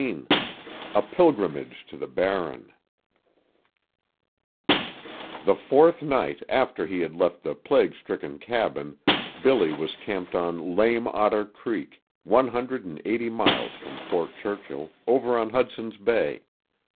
XIX A PILGRIMAGE TO THE BARREN The fourth night after he had left the plague stricken cabin Billy was camped on Lame Otter Creek, one hundred and eighty miles from Fort Churchill, over on Hudson's Bay.